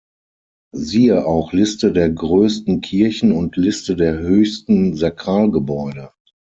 Siehe auch Liste der größten Kirchen und Liste der höchsten Sakralgebäude.